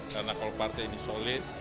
karena kalau partai ini solid